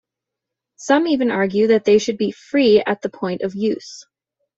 Some even argue that they should be free at the point of use.